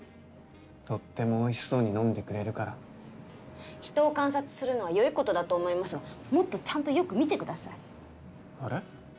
とってもおいしそうに飲んでくれるから人を観察するのはよいことだと思いますがもっとちゃんとよく見てくださいあれ？